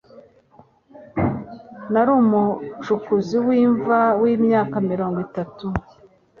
Nari umucukuzi w'imva wimyaka mirongo itatu.